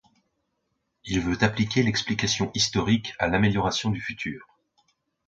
Il veut appliquer l’explication historique à l’amélioration du futur.